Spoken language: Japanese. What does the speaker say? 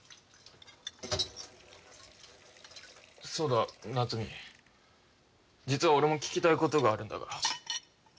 そうだ夏美実は俺も聞きたいことがあるんだが。